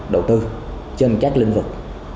đầu tư trên các lĩnh vực